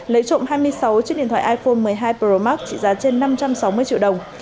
lấy trộm hai mươi sáu chiếc điện thoại iphone một mươi hai pro max trị giá trên năm trăm sáu mươi triệu đồng